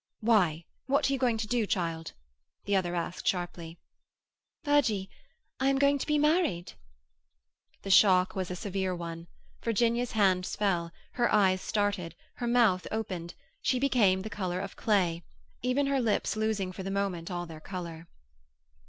"Why? What are you going to do, child?" the other asked sharply. "Virgie—I am going to be married." The shock was a severe one. Virginia's hands fell, her eyes started, her mouth opened; she became the colour of clay, even her lips losing for the moment all their colour.